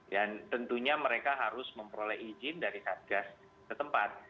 dan tentunya mereka harus memperoleh izin dari satgas ke tempat